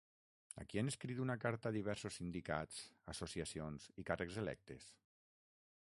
A qui han escrit una carta diversos sindicats, associacions i càrrecs electes?